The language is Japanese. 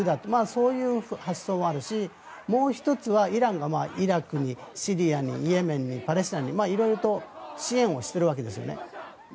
そういう発想はあるしもう１つは、イランがイラクにシリアにイエメンにパレスチナに色々と支援をしているわけですね。